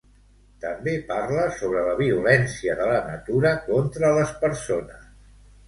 També parla sobre la violència de la natura contra les persones.